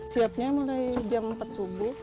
siapnya mulai jam empat subuh